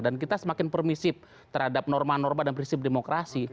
dan kita semakin permisif terhadap norma norma dan prinsip demokrasi